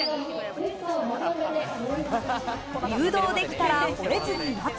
誘導できたら吠えずに待つ。